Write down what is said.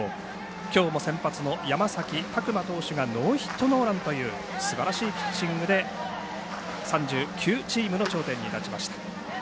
きょう先発の山崎琢磨投手がノーヒットノーランというすばらしいピッチングで３９チームの頂点に立ちました。